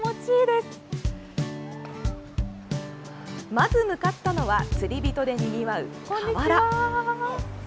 まず向かったのは釣り人でにぎわう河原。